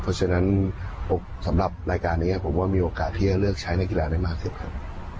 เพราะฉะนั้นสำหรับรายการนี้ผมว่ามีโอกาสที่จะเลือกใช้นักกีฬาได้มากขึ้นครับ